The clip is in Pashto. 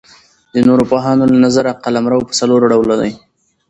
د نورو پوهانو له نظره قلمرو پر څلور ډوله دئ.